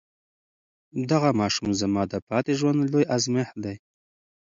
دغه ماشوم زما د پاتې ژوند لوی ازمېښت دی.